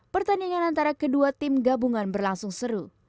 pertandingan antara kedua tim gabungan berlangsung seru